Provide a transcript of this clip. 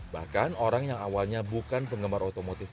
bahkan orang yang awalnya bukan penggemar otomotif